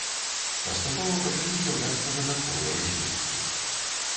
Паступова пачалі з'яўляцца дадатковыя звесткі.